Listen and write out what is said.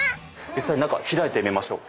実際中開いてみましょう。